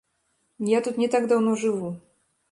Я тут не так даўно жыву.